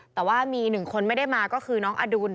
แต่ว่ามีหนึ่งคนไม่ได้มาก็คือน้องอดุล